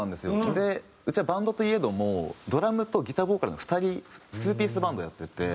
でうちはバンドといえどもドラムとギターボーカルの２人ツーピースバンドやってて。